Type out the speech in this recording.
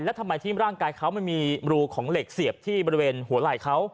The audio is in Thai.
แล้วทำไมที่ร่างกายเขามันมีรูของเหล็กเสียบที่บริเวณหัวไหล่เขา